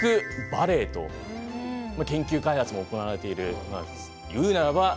バレーと研究開発も行われているところなんです。